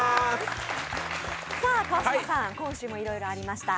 さあ、川島さん、今週もいろいろありました。